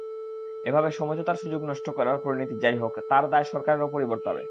এভাবে সমঝোতার সুযোগ নষ্ট করার পরিণতি যা-ই হোক, তার দায় সরকারের ওপরই বর্তাবে।